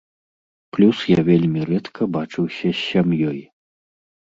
Плюс я вельмі рэдка бачыўся з сям'ёй.